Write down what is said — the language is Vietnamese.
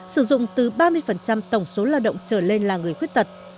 sử dụng từ ba mươi tổng số lao động trở lên là người khuyết tật